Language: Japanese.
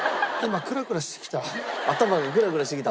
頭がクラクラしてきた？